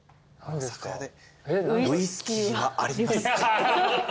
酒屋で「ウィスキーはありますか？」